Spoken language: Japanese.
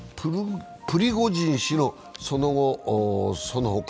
プリゴジン氏のその後、そのほか。